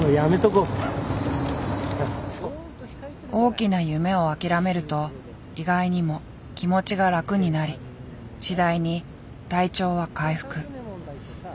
大きな夢を諦めると意外にも気持ちが楽になり次第に体調は回復。